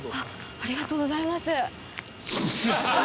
ありがとうございます。